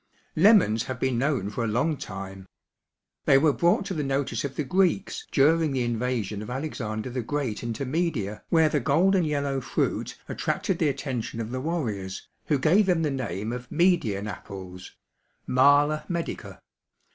Lemons have been known for a long time. They were brought to the notice of the Greeks during the invasion of Alexander the Great into Media where the golden yellow fruit attracted the attention of the warriors who gave them the name of Median apples (Mala medica).